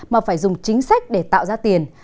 mà phải dùng chính sách để tạo ra tiền